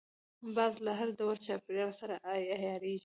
باز له هر ډول چاپېریال سره عیارېږي